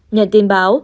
nhận tin báo